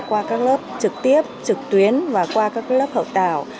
qua các lớp trực tiếp trực tuyến và qua các lớp học tạo